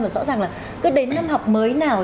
rõ ràng là cứ đến năm học mới nào